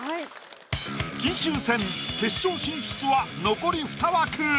金秋戦決勝進出は残りふた枠。